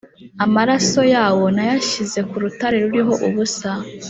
Amaraso yawo nayashyize ku rutare ruriho ubusa